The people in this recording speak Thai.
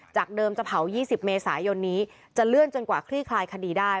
เดิมจะเผา๒๐เมษายนนี้จะเลื่อนจนกว่าคลี่คลายคดีได้